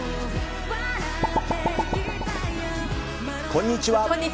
こんにちは！